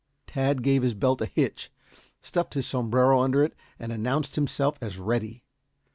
Tad gave his belt a hitch, stuffed his sombrero under it and announced himself as ready.